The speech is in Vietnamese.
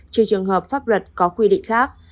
trừ trường hợp pháp luật có quy định khác